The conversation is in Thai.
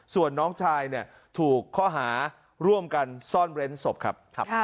ส่วนน้องชายถูกข้อหาร่วมกันซ่อนเร้นศพครับ